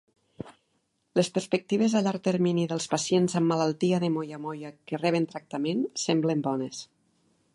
Les perspectives a llarg termini dels pacients amb malaltia de Moya moya que reben tractament semblen bones.